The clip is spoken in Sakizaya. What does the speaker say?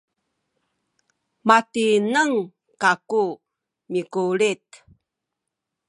matineng kaku mikulit